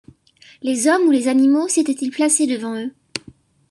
Les hommes ou les animaux s’étaient-ils placés devant eux